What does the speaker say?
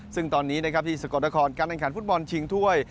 ซึ่งตอนนี้นะครับที่สกลนครการแข่งขันฟุตบอลชิงถ้วย